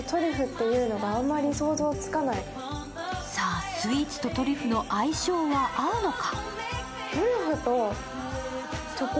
さぁ、スイーツとトリュフの相性は合うのか。